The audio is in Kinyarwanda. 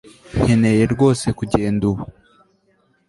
Nkeneye rwose kugenda ubu